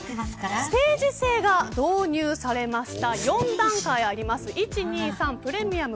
ステージ制が導入されました。